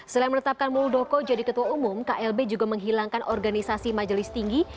selain menetapkan muldoko jadi ketua umum klb juga menghilangkan organisasi majelis tinggi